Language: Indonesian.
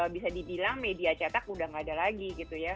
bisa dibilang media cetak udah gak ada lagi gitu ya